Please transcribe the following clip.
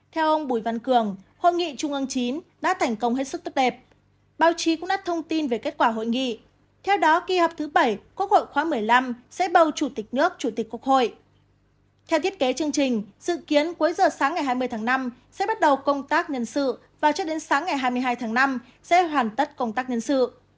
theo thiết kế chương trình dự kiến cuối giờ sáng ngày hai mươi tháng năm sẽ bắt đầu công tác nhân sự và cho đến sáng ngày hai mươi hai tháng năm sẽ hoàn tất công tác nhân sự